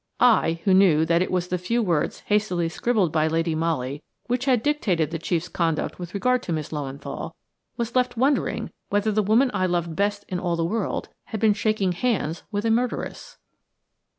I, who knew that it was the few words hastily scribbled by Lady Molly which had dictated the chief's conduct with regard to Miss Löwenthal, was left wondering whether the woman I loved best in all the world had been shaking hands with a murderess.